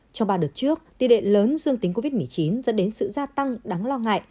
trong ba đợt trước tỷ lệ lớn dương tính covid một mươi chín dẫn đến sự gia tăng đáng lo ngại